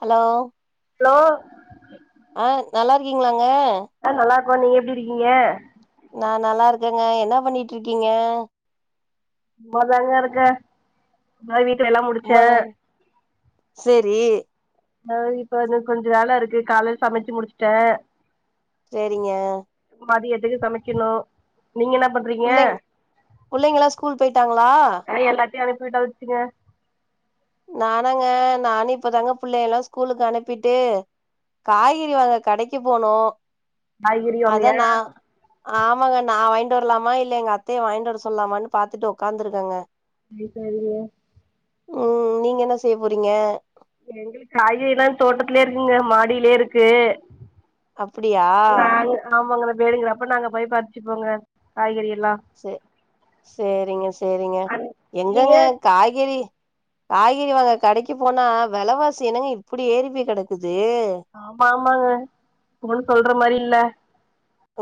Hello hello ஆ நல்லாருகீங்ளாங்க க்கோ நீங்க எப்டி இருக்கீங்க நா நல்லா இருக்கேங்க என்ன பண்ணிட்ருக்கீங்க சும்மாதாங்கருக்க மரிவீட் டு வேல்லா முடுச்சே சும்மாதா சேரி ஆ இப்ப வந்து கொஞ்சொ வேல இருக்கு காலைல் சமச்சு முடுச்சுட்டே சேரிங்க மதியத்துகு சமக்கெணு புள்ளை புள்ளைங்கலா ஸ்கூல் போயிட்டாங்களா தையு அனுப்பி விட்டாச்சுங்க நானாங்க நானு இப்பதாங்க புள்ளையெல்லா ஸ்கூலுக்கு அனுப்பிட்டு காய்கறி வாங்க கடைக்கு போனோ காய்கறி அதா வாங்கயா நா ஆமாங்க நா வாயின் டு வர்லாமா இல்ல எங்க அத்தைய வாங்கிட் வர சொல்லாமானு பாத்துட்டு ஒக்காந்துருக்கேங்க [unintelligible] உம் நீங்க என்ன செய்ய போறீங்க எங்களுக் காய்கறிலா தோட்டத்துலே இருக்குங்க மாடியிலே இருக்கு அப்புடியா வேணுங்குற அப்ப நாங்க போய் பறிச்சுப்போங்க காய்கறிய ச சேரிங்க சேரிங்க நீங்க எங்கங்க காய்கறி காய்கறி வாங்க கடைக்கு போனா விலைவாசி இனங்க இப்படி ஏரிப்பி கிடக்கு ஆமா ஆமாங்க ஒன்னு சொல்ற மாரி இல்ல.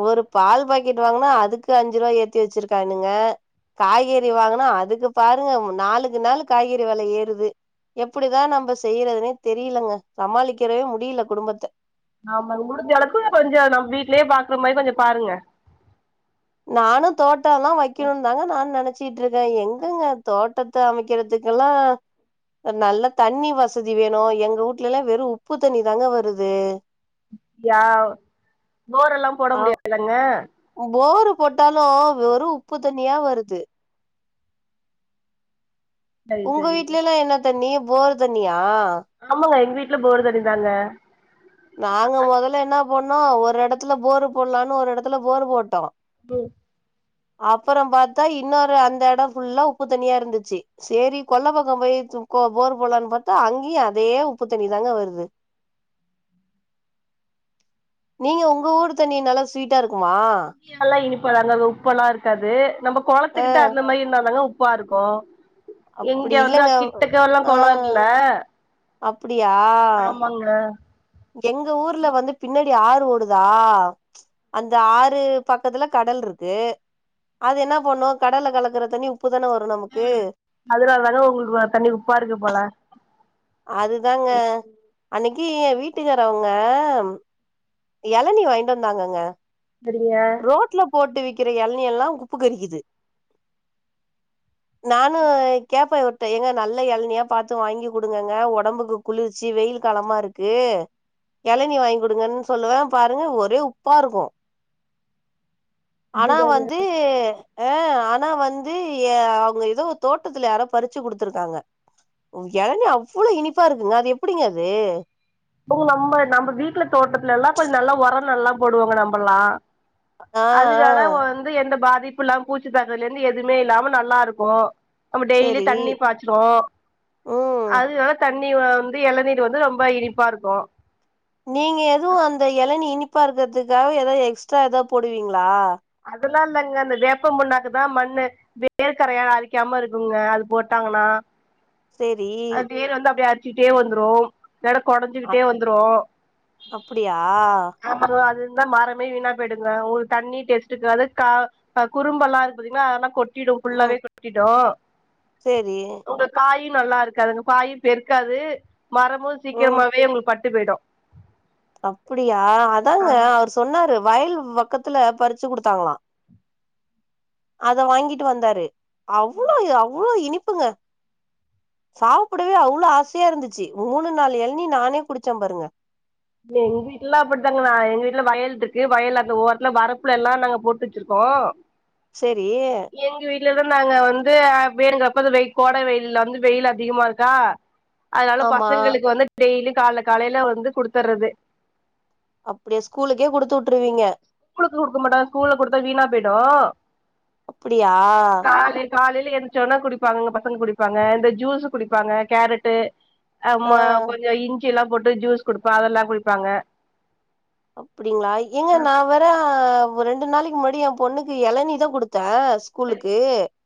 ஒரு பால் பாக்கெட் வாங்கனா அதுக்கு அஞ்சு ரூபாய் ஏத்தி வச்சிருக்கான்னுங்க. காய்கறி வாங்கனா அதுக்கு பாருங்க நாளுக்கு நாள் காய்கறி வில ஏறுது எப்படிதான் நம்ம செய்யறதுனே தெரியலங்க. சமாளிக்கிறவே முடியல குடும்பத்த ஆமா முடிஞ்ச அளவுக்கு கொஞ்சம் நம்ம வீட்லயே பாக்குற மாதிரி கொஞ்சம் பாருங்க. ஆனும் தோட் ட் ல்லாம் வைக்கணும்னு தாங்க நினச்ச ச்சட்டு இருக்கேன். எங்கங்க தோட்டத்தை அமைக்கிறதுக்கெல்லாம் நல்ல தண்ணி வசதி வேணும் எங்க வீட்ல எல்லாம் வெறும் உப்பு தண்ணி தாங்க வருது. அப்பியா போரெல்லாம் போட ஆ முடியாதுலங்க. போரு போட்டாலும் வெறும் உப்பு தண்ணியா வருது. சரி உங்க சரி வீட்லல்லாம் என்ன தண்ணி போர் தனியா ஆமாங்க எங்க வீட் வீட்டுல போர் தெரிந்தாங்க. நாங்க முதல்ல என்னப் போண்ணம் ஒரு இடத்துல போரு போடலான்னு ஒரு இடத்துல போரு போட்டோம். போஓ அப்புறம் பார்த்தா இன்னொரு அந்த இடம் ஃபுல்லா உப்பு தனியா இருந்துச்சு சரி கொள்ள பக்கம் போய் து போர் போலான்னு பார்த்தா அங்கேயும் அதே உப்பு தண்ணி தாங்க வருது. நீங்க உங்க ஊர் தண்ணி நல்லா ஸ்வீட்டா இருக் க்குமா ப்பங்க உப்பெல்லாம் இருக்காது. நம்ப ஆ குளத்துக்கிட்ட அந்த மாரி இருந்தாங்க. ப்பா இருக்கோ. எங்க அப்டி வந்து அ இல்லங்க கிட்டக்க எல்லாம் குலம் இல அப் அப்படியா எங்க ஊர்ல வந்து பின்னாடி அடி ஆறு ஓடுதா ச் அந்த ஆறு பக்கத்துல கடல் இருக்கு. அது என்ன பண்ணும்ம் கடல கலக்கற தண்ணி உப்பு தான வரு நமக்கு ஹம் அதனால தாானே உங்களுக்கு தண்ணி உப்பா இருக்கு போல அதுதாங்க. அன்னைக்கு என் வீட்டுக்கார அவங்க இளநி வாயிண்டு வந்தாங்கங்க சரிங்க ரோட்ல போட்டு விக் இருக்கிற இளநி எல்லாம் உப்பு கறிக்குது நானும் கேப்பேன் விட்ட எங்க நல்ல இளநியா பார்த்து வாங்கி குடுங்கங்க உடம்புக்கு குளிர்ச்சு வெயில் காலமா இருக்கு இளநீ வாங்கி கு கொடுங்கன்னு சொல்லுவேன் பாருங்க ஒரே உப்பா இருக்கும். ஆனா அதுதா வந்து ஆஹ் ஆனா வந்து எ அவங்க ஏதோ தோட்டத்துல யாரோ பறிச்சு குடுத்துருக்காங்க. இளனி அவ்வளவு இனிப்பா இருக்குங்க அது எப்படிங்க அது நம்ப நம்ப வீட்ல தோட்டத்துலலா கொஞ்ச நல்லா உர நல்லா போடுவாங்க நம்பல்லா ஆ ஆ அதுனால வந்து எந்த பாதி மதிப்புல்லா பூச்சித்தாக்கல இருந்து எதுவுமே இல்லாம நல்லா இருக்கு நம்ம டெய்லி சரி தண்ணி பாய்ச்சுடுவோ ம் அது தண்ணி நீ வந்து எளநீர் வந்து ரொம்ப இனிப் ப்பா இருக்கோ நீங்க எதுவு அந்த எளநீ இனி ப்பாக்கறதுக்காக எதா எக்ஸ்ட்ரா எதா போடுவீங்களா அப்டிலா இல்லங்க அந்த வேப்பம் புன்னாக்குதா மண்ணு வேர்க்கரையான் அரிக்காம இருக்குங்க அது போட்டாங்கன்னா சேரி அது வந்து அப்டியே [unintelligible] சிட்டே வந்துரு எட அ குடைஞ்சுக்கிட்டே வந்துரு அப்டியா அப்பற அது இந்த மரமே வீணா போயிடுங்க உங்களுக்கு தண்ணி டெஸ்ட்டுருக்காது க குரும்பெல்லா இருக்கு பாத்திங்களா அதெல்லா கொட் கொட்டிடு ஃபுல்லாவே கொட்டிடு செரி நல்லாயிருக் இருக்காதுங்க பாயு பெருக்காது மரமு சீக்கிரமாவே உங்களுக்கு பட் ட்டு போயிடு அப்படியா அதாங்க அவரு சொன்னாரு வயல் பக்கத்துல பறிச்சு குடுத்தாங்களா அத வாங்கிட்டு வந்தாரு அவ்ளோ [unintelligible] அவ்ளோ இனிப்புங்க சாப்புடவே அவ்ளோ ஆசையாயிருந்துச்சு மூணு நாலு எளநீ நானே குடிச்சே பாருங்க இல்ல எங்க வீட்லலா அப்டிதாங்க நா எங்க வீட்டுல வயல் இருக்கு வயல் அந்த ஓரத்துல வரப்புல எல்லா நாங்க போட்டு வச்சிருக்கோ செரி சிலது நாங்க வந்து வேணுங்கிறப்ப அந்த வெயில் கோடை வெயில்ல வந்து வெயில் அதிகமா இருக்கா அதனால ஆமா பசங்களுக்கு வந்து டெய்லி கால காலையில வந்து குடுத் தறது அப்படியா ஸ்கூலுக்கே குடுத்துவுட்டுருவீங்க ஸ்கூலுக்கு குடுக்க மாட்ட ஸ்கூல்ல குடுத்தா வீணா போய்டு அப்படியா காலையில எந்திச்சோன்னே குடிப்பாங்க பசங்களு குடிப்பாங்க இந்த ஜூஸு குடிப்பாங்க கேரட்டு ஆமா ஆ கொஞ்ச இஞ் சி எல்லா போட்டு ஜூஸ் குடுப்போ அதெல்லா குடிப்பாங்க அப்படிங்களா ஆ ஏங்க நா வ ஆ ரெண்டு நாளைக்கு முன்னடி ஏ பொண்ணுக்கு எளநீ தா குடுத்த ஸ்கூலுக்கு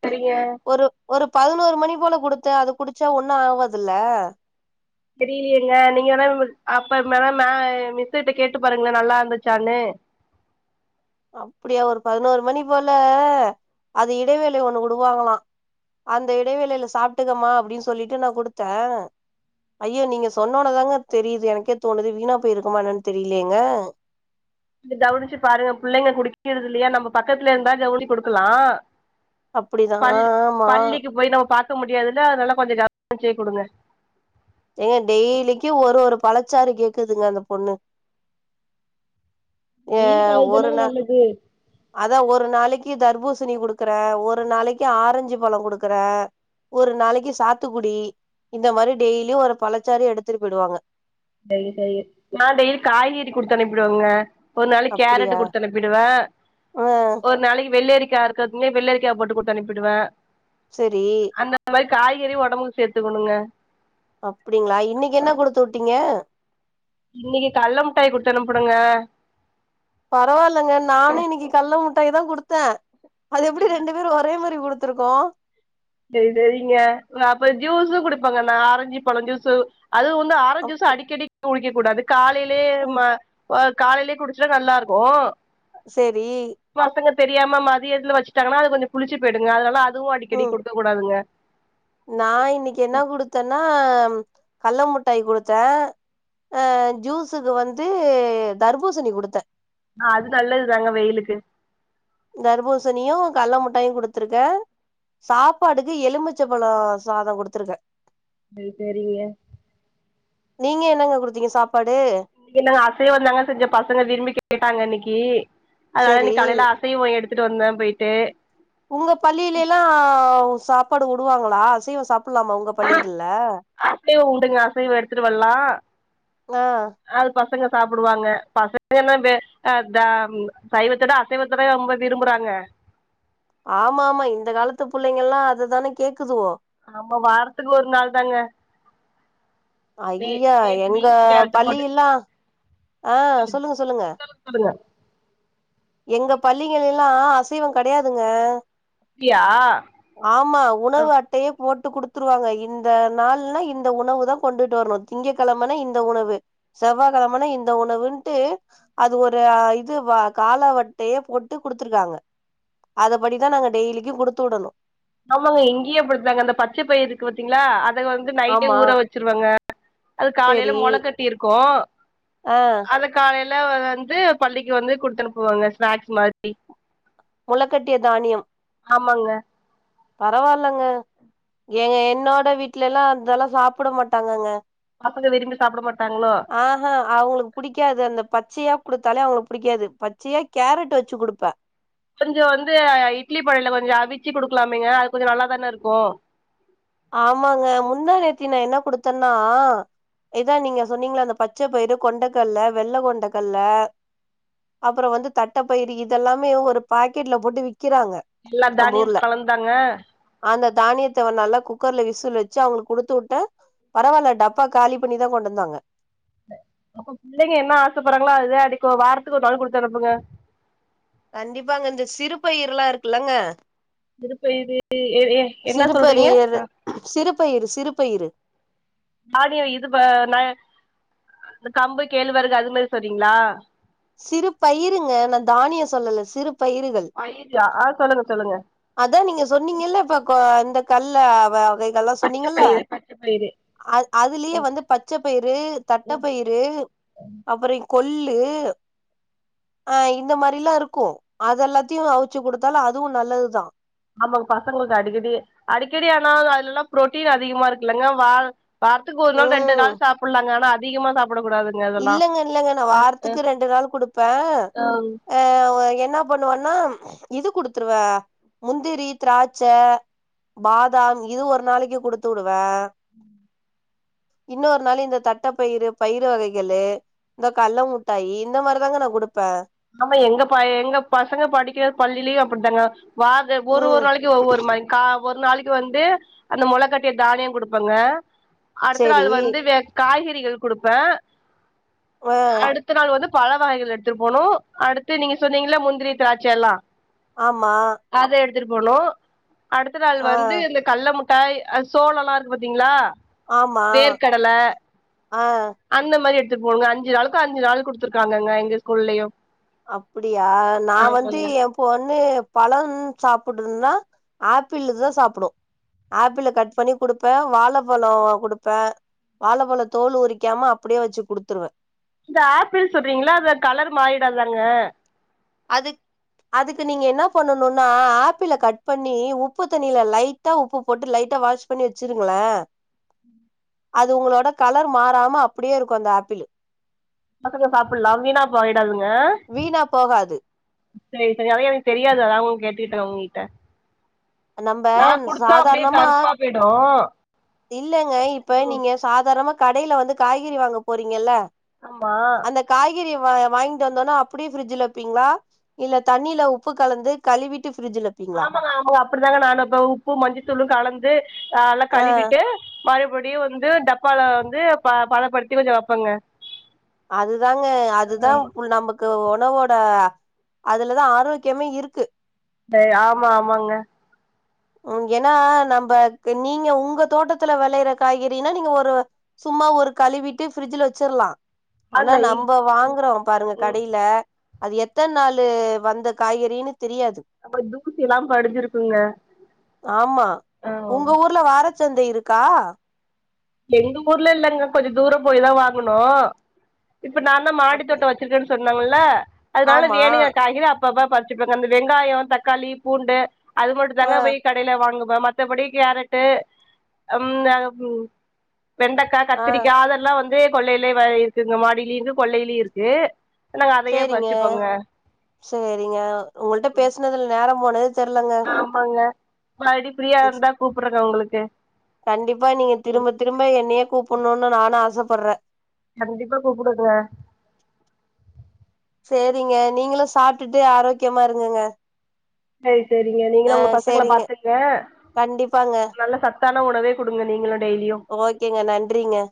சரிங்க ஒரு ஒரு பதினோரு மணி போல குடுத்தே அது குடிச்சா ஒன்னு ஆவதுல்ல தெரியலயேங்க நீங்க [unintelligible] அப்ப மென மே மிஸூக்கிட்ட கேட்டு பாருங்களே நல்லா இருந்துச்சான்னு அப்புடியா ஒரு பதினோரு மணி போல அது இடைவேளை ஒண்ணு உடுவாங்களா அந்த இடைவேளையில சாப்பிட்டுக்கமா அப்டின்னு சொல்லிட்டு நா குடுத்தே ஐயோ நீங்க சொன்னோனதாங்க தெரியுது எனக்கே தோணுது வீணா போயிருக்குமா என்னுன்னு தெரியலேங்க கவனிச்சு பாருங்க பிள்ளைங்க குடிக்கிறது இல்லையா நம்ம பக்கத்துல இருந்தா கவுனி கொடுக்கலாம் அப்டிதா ஆ பள் ஆமா பள்ளிக்கு போய் நம்ம பாக்க முடியாதுல்ல நல்லா கொஞ்சோ கவனச்சய குடுங்க ஏங்க டெய்லிக்கு ஒரு ஒரு பழச்சாறு கேக்குதுங்க அந்த பொண்ணு ஏ வெயிலுக்கு ஒரு அதுதானங்க நா நல்லது அதான் ஒரு நாளைக் கி தர்பூசணி குடுக்குற ஒரு நாளைக்கு ஆரஞ்சு பழம் குடுக்குறே ஒரு நாளைக்கு சாத்துக்குடி இந்த மாரி டெய்லி ஒரு பழச்சாரு எடுத்துட்டு போயிடுவாங்க சரி சரி நா டெய்லி காய்கறி குடுத்து அனுப்பிடுவங்க ஒரு நாளைக்கு கேரட் அப்டியா கொடுத்தனப்பிடுவ ஆ ஒரு நாளைக்கு வெள்ரி [unintelligible] வெள்ளரிக்கா போட்டு குடுத்து அனுப்பிடுவேன் செரி காய்கறி ஒடம்புக்கு சேர்த்துக்கணுங்க அப்டிங்களா இன்னைக்கு என்ன குடுத்து வுட்டீங்க இன்னைக்கு கல்ல முட்டாய் குடுத்தனுப்பனேங்க பரவால்லைங்க நானே இன்னைக்கு கல்ல முட்டாய்தா குடுத்து த்த அது எப்டி ரெண்டு பேரும் ஒரே மாரி எப்டி குடுத்துருக்கோம் சரி சரிங்க நா அப்புற ஜூஸும் குடுப்பாங்க நா ஆரஞ்சி பழம் ஜூஸு அது உந்து ஆரஞ்சஜூஸூ அடிக்கடி குடிக்க கூடாது காலையிலே ம வ காலையிலயே குடிச்ச நல்லா இருக்கோ செரி தெரியாம மதியதுல வச்சுட்டாங்கனா அது கொஞ்சோ புளிச்சு போயிடுங்க அதனால அத் து அடிக்கடி ம் கூடாதுங்க நா இன்னைக்கு என்ன குடுத்தேன்னா கல்ல முட்டாய் குடுத்தே அ ஜூஸுக்கு வந்து தர்பூசணி குடுத்தே ஆ அது நல்லதுதாங்க வெயிலுக்கு தர்ப்பூசணியும் கல்ல முட்டாயும் குடுத்திருக்கே சாப்பாடுக்கு எலுமிச்சைப்பழம் சாதம் குடுத்திருக்கே அ சேரிங்க நீங்க என்னங்க குடுத்தீங்க சாப் இல்லைங்க அசைவம் தாங்க செஞ்ச பசங்க விரும்பி கேட்டாங்க இன்னைக்கி கி அதனால சேரி இன்னைக்கு காலைய்ல அசைவம் எடுத்து எடுத்துட்டு வந்த போய்ட்டு உங்க பள்ளியிலைலா சாப்பாடு வுடுவாங்களா அசைவ சாப் அ அசைவ உண்டுங்க அசைவ எடுத்துட்டு வர்லா ஆ அது பச பசங்க சாப்டுவாங்க பசங்க என்ன வெ அ த சைவத்தோட அசைவத்ததா ரொம்ப விரும்புறாங்க ஆமா ஆமா இந்த காலத்து புள்ளைங்கல்லா அதுதான கேக்குதுவோ நம்ம வாரத்துக்கு ஒரு நாள்தாங்க ஐய்யய்யா எங்க பீன்ஸ் கேரட்டு போட்டு பள்ளியெல்லாம் ஆ சொல்லுங்க சொல்லுங்க எங்க பள்ளிகளில் அ அசைவம் கிடையாதுங்க அப்டியா ஆமா உணவு அட்டையே போட்டு குடுத்துருவாங்க இந்த நாள்னா இந்த உணவு தான் கொண்டுட்டு வரணும் திங்க கிழமைனா இந்த உணவு செவ்வா கிழமைனா இந்த இந்த உணவுன்ட்டு அது ஒரு இது கால வட்டையே போட்டு குடுத்துருவாங்க அத படிதான் நாங்க டெய்லிக்கும் குடுத்து விடணும் ஆமாங்க இங்கேயே அப்படித்தாங்க அந்த பச்சை பயிறுருக்கு பார்த்தீங்களா அத வந்து நைட்டே ஆமா ஊற வச்சிருவாங்க அது காலையில சேரி மொள கட்டி இருக்கும் ஆ அது காலைய இல்ல வந்து பள்ளிக்கு வந்து குடுத்து அனுப்புவாங்க ஸ்நாக்ஸ் மாதிரி முளைக்கட்டிய தானியம் ஆமாங்க பரவாயில்லங்க எங்க என்னோட வீட்ல எல்லாம் அதெல்லாம் சாப்பிட மாட்டாங்கங்க பசங்க விரும்பி சாப்ட மாட்டாங்களோ ஆ ஹாங் அவங்களுக்கு பிடிக்காது அந்த பத்து பச்சையா கொடுத்தாலே அவங்களுக்கு பிடிக்காது பச்சையா கேரட் வச்சு கொடுப்பேன் கொஞ்சம் வந்து இட்லி பானையில கொஞ்சம் அவிச்சு குடுக்கலாமேங்க அது கொஞ்சம் நல்லாதானே இருக்கும் சொன்னா இதா நீங்க சொன்னீங்களே அந்த பச்சை பய கொண்டைக்கல்ல வெள்ள கொண்டக்கல்ல அப்புறம் வந்து தட்டப்பயிரு இதெல்லாமே ஒரு பாக்கெட்ல போட்டு விக்கிறாங்க எல்லா நம்ம தானியம் ஊர்ல கலந்தாங்க அந்த தானியத்த நல்லா கு குக்கர்ல விசில் வச்சு அவங்களுக்கு குடுத்துவிட்ட பரவாயில்ல டப்பா காலி பண்ணிதா கொண்டு வந்தாங்க அப்ப புள்ளைங்க என்ன ஆசப்பட்றாங்களோ அதுதா அடிக்கு வாரத்துக்கு ஒரு நாள் குடுத்தனுப்புங்க கண்டிப்பாங்க இந்த சிறு பயிறுலா இருக்குலங்க சிறு பயிறு எ எ என்ன சொல்றீங்க ஆ பயிறு சிறு பயிறு தானியோ இது வ ந இந்த கம்பு கேழ்வரகு அது மாரி சொல்றீங்ளா சிறு பயிறுங்க நா தானியம் சொல்லல சிறு பயிறுகள் பயிரா ஆ சொல்லுங்க சொல்லுங்க அதா நீங்க சொன்னீங்கல இப்ப கொ இந்த கல்ல அவ அவைகள்லா பச்ச சொன்னீங்கல்ல பயிறு பச்ச பயிறு அ அதுலயே வந்து பச்சை பயிறு, தட்டப்பயிறு அப்பறோ கொள்ளு அ இந்த மாரிலா இருக்கு அத எல்லாத்தையு அவுச்சு குடுத்தாலு அதுவு நல்லதுதா ஆமா பசங்களுக்கு அடிக்கடி அடிக்கடி ஆனா அதுலலா புரோட்டீன் அதிகமா இருக்குல்லங்க வா வாரத்துக்கு ஒரு நாள் ரெண்டு ம் நாள் சாப்புட்லாங்க ஆனா அதிகமா சாப் இல்லங்க இல்லங்க நா வாரத்துக்கு ரெண்டு நாள் குடுப்பேன் ஆ என் ன பண்ணுவன்னா இது குடுத்துருவே முந்திரி திராட்ச பாதாம் இது ஒரு நாளைக்கு குடுத்து வுடுவேன் ம் இன்னொரு நாள் இந்த தட்டப்பயிறு பயிறு வகை களு இந்த கல்ல முட்டாயி இந்த மாரி தாங்க நா குடுப்பேன் ஆமா எங்க ப எங்க பசங்க படிக்கிற பள்ளிலயும் அப்பிடித்தாங்க வாத ஒரு ஒரு ம் நாளைக்கு ஒவ்வொரு மாரி கா ஒரு நாளைக்கு வந்து அந்த முளை கட்டிய தானியம் குடுப்பாங்க அடுத்த நாள் சேரி வந்து வே காய்க கறிகள் குடுப்பே ஆ அடுத்த நாள் வந்து பழ வகைகள் எடுத்துட்டு போனும் அடுத்து நீங்க சொன்னீங்களா முந்திரி திராட்ச எல்லா ஆமா அத எடுத்துட்டு போனோ அடுத்த நாள் ஆ வந்து இந்த கல்லமு ட்டாய் அ சோளல்லா இருக்கு பாத்தீங்களா ஆமா வேர்க்கடல ஆ அந்த மாரி எடுத் த்து போங்க அஞ்சு நாளுக்கு அஞ்சு நாள் குடுத்துருக்காங்கங்க எங்க ஸ்கூல்லயு அப்டியா நா வந்து ஆமாங்க ஏம் பொண்ணு பழம் சாப்புடுன்னா ஆப்பிளு தா சாப்டும் ஆப்பிளை கட் பண்ணி குடுப்பேன் வாழப்பழம் குடுப்பேன் வாழைப்பழ தோல் உரிக்காம அப்டியே வச்சு குடுத்துருவேன் இந்த ஆப்பிள் சொல்றீங்களா அத கலர் மாறிடாதாங்க அது அதுக்கு நீங்க என்ன பண்ணணுனா ஆப்பிள கட் பண்ணி உப்பு தண்ணியில லைட்டா உப்பு போட்டு லைட்டா வாஷ் பண்ணி வச்சிருங்களே அது உங்களோட கலர் மாறாம அப்டியே இருக்கும் அந்த ஆப்பிளு பசங்க சாப்புட்லாம் வீணாப்போய் டாதுங்க வீணா போகாது சேரி சேரி அது எனக்கு தெரியாது அதா உங்க கேட் டேன் உங்ககிட்ட நம்ப நா குடுத்தேன் அப்டியே சாதாரணமா கருப்பா போயிடும் இல்லங்க இப்ப நீங்க சாதாரமா கடையில வந்து காய்கறி வாங்க போறீங்கல ஆமா கறிய வா வாங்கிட்டு வந்தோனா அப்டியே ஃபிரிஜ்ல வப்பீங்களா இல்ல தண்ணியில உப்பு கலந்து கழுவி ஆமாங்க ஆமாங்க அப்டித்தாங்க நானு வப்பே உப்பு மஞ்சத்தூளும் கலந்து அ அதலா ஆ கழுவிட்டு மறுபடியும் வந்து டப்பால வந்து ப பதப்படுத்தி கொஞ்சோ வெப்பேங்க அதுதாங்க அதுதா உல்நமக்கு உணவோட் அ அதுலதா ஆரோக்கியமே இருக்கு ஆமா ஆமாங்க உம் ஏன்னா நம்ப க்கு நீங்க உங்க தோட்டத்துல விளையிற காய்கறினா நீங்க ஒரு சும்மா ஒரு கழுவிட்டு பிரிட்ஜ்ல ச்சிர்லாம் ஆனா ஆமா நம்ப வாங்குறோ பாருங்க ம் கடையில அது எத்தனாலு வந்த காய்கறின்னு தெரியாது அப்பறம் தூத்தி எல்லா படிஞ்சிருக்குங்க ஆமா ஆ உங்க ஊருல வார சந்தை இருக்கா எங்குர்ல இல்லைங்க கொஞ்ச தூரம்போயி தா வாங்குணு இப்பநாந்தான் அப்டி மாடித்தோட்ட வச்சிருக்கன்னு சொன்னாங்ல்ல அதனால ஆமா வேனிய காய்கறி அப் அப்பப் பற்ச்சுப்பங் அந்த வெங்காய தக்காளி பூண்டு ஆ அதுமட்டும்தாங்க போய் கடைல வாங்க மத்தபடி கேரட்டு அம்த வெண்டைக்காய் ஆ கத்திரிக்காய் அதெல்லாம் வந்து கொள்ளையிலவை இருக்குங்க மாடியிலயங் இருக் கொள்ளையிலயும் இருக்கு நாங்க அதையே சரிங்க பறிச்சுப்போங்க சரிங்க உங்கள்ட பேசுனதுல நேரம் [inaudible] தெர்லங்க ஆமாங்க மறுபடி ஃப்ரீயா இருந்தா கூப்பிடுறேங்க உங்களுக்கு கண்டிப்பா நீங்க திரும்ப திரும்ப என்னைய கூப் புண்ணும்னு நானும் ஆசைப்படுறேன் கண்டிப்பா கூப்பிடுவுங்க சரிங்க நீங்குளும் சாப்பிட்டுட்டு ஆரோக்கியமா இருங்குங்க [inaudible] சரிங்க நீங்களும் உங்க பசங்கள பாத்துங்கக் கண்டிப்பாங்க நல்ல சா தான உணவே குடுங்க நீங்களு ஓகேங்க நன்றிங்க